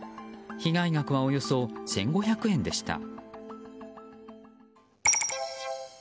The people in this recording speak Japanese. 被害額はおよそ１５００円でした。